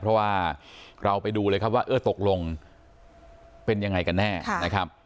เพราะว่าเราไปดูเลยครับว่าเออตกลงเป็นยังไงกันแน่นะครับ